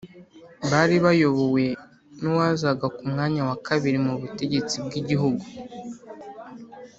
bari bayobowe n'uwazaga ku mwanya wa kabiri mu butegetsi bw'igihugu,